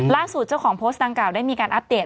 ล่าสุดเจ้าของโพสต์ดังกล่าได้มีการอัปเดต